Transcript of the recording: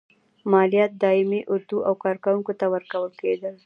مالیات دایمي اردو او کارکوونکو ته ورکول کېدل.